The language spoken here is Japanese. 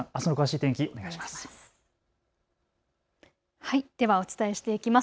詳しい天気お願いします。